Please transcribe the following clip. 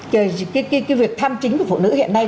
cái việc tham chính của phụ nữ hiện nay